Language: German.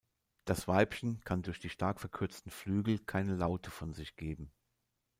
Das Weibchen kann durch die stark verkürzten Flügel keine Laute von sich geben.